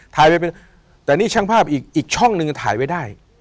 แต่นี่ช่างภาพอีกช่องนึงถ่ายไว้ได้